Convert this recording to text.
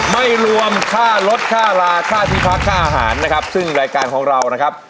ไม่รวมค่าลดค่าราค่าที่พักค่าอาหารนะครับซึ่งรายการของเรานะครับ